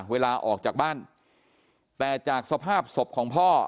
เวลาออกจากบ้านแต่จากสภาพศพของพ่อ